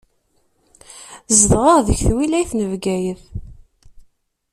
Zedɣeɣ deg twilayt n Bgayet.